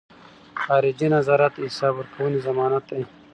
خارجي نظارت د حساب ورکونې ضمانت دی.